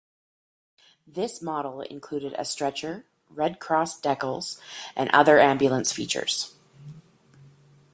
This model included a stretcher, red cross decals, and other ambulance features.